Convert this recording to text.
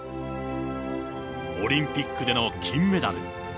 オリンピックでの金メダル。